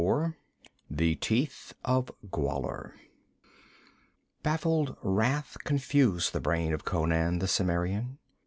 4 The Teeth of Gwahlur Baffled wrath confused the brain of Conan the Cimmerian.